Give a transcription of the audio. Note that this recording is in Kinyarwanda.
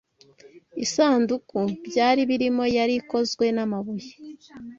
Isanduku byari birimo yari ikozwe n’amabuye